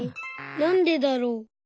なんでだろう。